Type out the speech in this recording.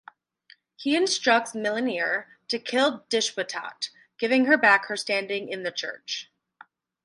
He instructs Millenear to kill Deshwitat, giving her back her standing in the church.